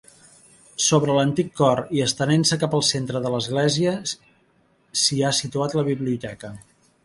Sobre l'antic cor i estenent-se cap al centre de l'església s'hi ha situat la biblioteca.